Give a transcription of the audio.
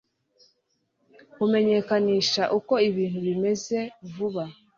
Kumenyekanisha uko ibintu bimeze vuba